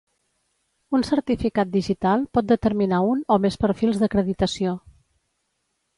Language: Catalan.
Un certificat digital pot determinar un o més perfils d'acreditació.